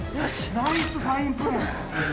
ナイスファインプレー。